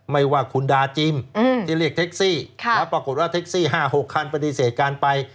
ไม่ว่าคุณดาจิมที่เรียกแท็กซี่แล้วปรากฏว่าแท็กซี่๕๖คันปฏิเสธการไป